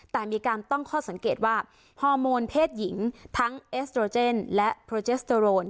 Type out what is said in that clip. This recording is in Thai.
แต่มีการตั้งข้อสังเกตว่าฮอร์โมนเพศหญิงทั้งเอสโตรเจนและโปรเจสโตโรน